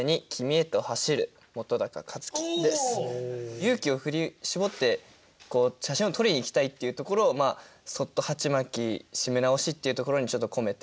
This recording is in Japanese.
勇気を振り絞って写真を撮りにいきたいっていうところを「そっと鉢巻締め直し」っていうところにちょっと込めた。